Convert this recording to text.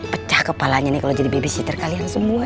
pecah kepalanya nih kalau jadi babysitter kalian semua